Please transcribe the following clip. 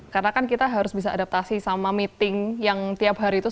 karena kan kita harus bisa adaptasi sama meeting yang tiap hari itu